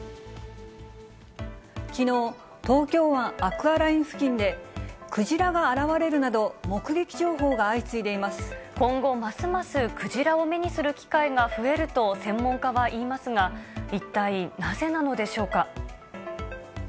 きのう、東京湾アクアライン付近で、クジラが現れるなど、今後ますます、クジラを目にする機会が増えると専門家は言いますが、一体なぜなのでしょうか。